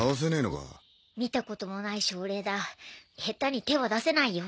見たこともない症例だヘタに手は出せないよ